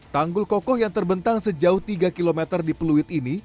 tanggul kokoh yang terbentang sejauh tiga km di peluit ini